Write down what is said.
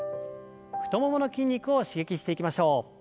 太ももの筋肉を刺激していきましょう。